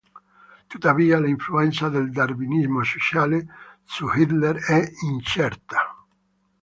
Tuttavia l'influenza del Darwinismo sociale su Hitler è incerta.